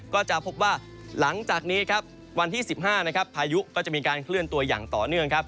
ก็จะพบว่าหลังจากนี้วันที่๑๕พายุก็จะมีการเคลื่อนตัวอย่างต่อเนื่อง